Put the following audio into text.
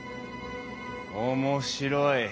面白い。